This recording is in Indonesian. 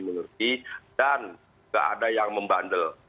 dan tidak ada yang membandel